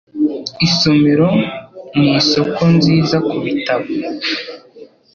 Isomero nisoko nziza kubitabo.